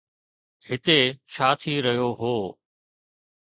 هتي ڇا ٿي رهيو هو؟